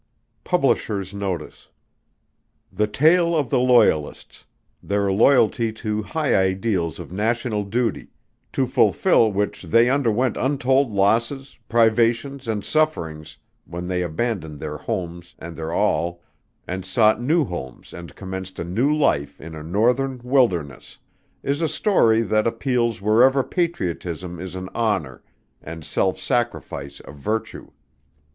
B. 1921 Publisher's Notice. _The tale of the Loyalists; their loyalty to high ideals of national duty to fulfil which they underwent untold losses, privations and sufferings when they abandoned their homes and their all, and sought new homes and commenced a new life in a northern wilderness is a story that appeals wherever patriotism is an honor and self sacrifice a virtue.